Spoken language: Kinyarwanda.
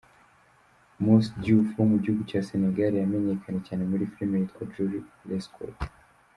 Mouss Diouf wo mu gihugu cya Senegal yamenyekanye cyane muri filimi yitwa Julie Lescaut.